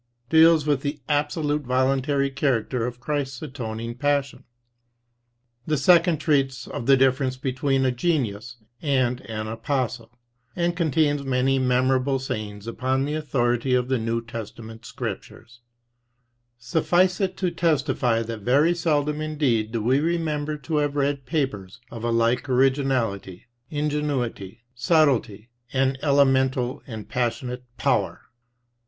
' deals with the absolutely voluntary character of Christ's atoning passion : the second treats of the difference between a genius and an apostle, and contains many memor able sayings upon the authority of the N.T. Scriptures. Suffice it to testify that very seldom indeed do we remember to have read papers of a like originality, ingenuity, subtlety, and elemental and passionate power.